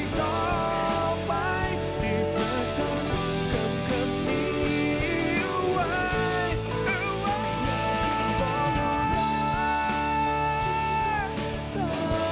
อยากจะบอกให้รู้ให้เข้าใจ